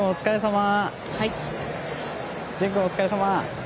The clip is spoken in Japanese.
潤君、お疲れさま！